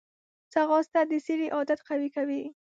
ځغاسته د سړي عادت قوي کوي